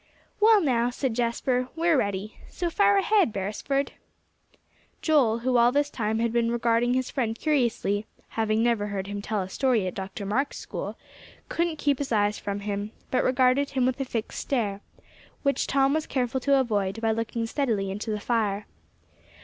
"Well, now," said Jasper, "we are ready. So fire ahead, Beresford." Joel, who all this time had been regarding his friend curiously, having never heard him tell a story at Dr. Marks' school, couldn't keep his eyes from him, but regarded him with a fixed stare, which Tom was careful to avoid, by looking steadily into the fire.